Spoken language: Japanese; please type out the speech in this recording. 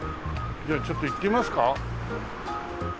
じゃあちょっと行ってみますか。